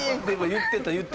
言ってた。